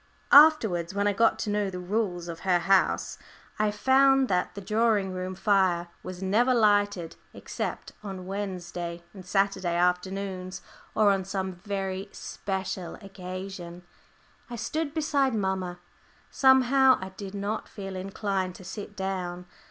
Afterwards, when I got to know the rules of the house, I found that the drawing room fire was never lighted except on Wednesday and Saturday afternoons, or on some very special occasion. I stood beside mamma. Somehow I did not feel inclined to sit down.